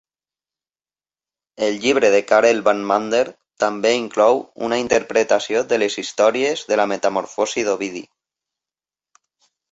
El llibre de Karel van Mander també inclou una interpretació de les històries de la "Metamorfosi" d'Ovidi.